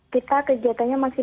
kita kegiatannya masih